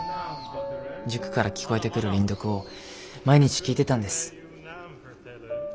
塾から聞こえてくる輪読を毎日聞いてたんです。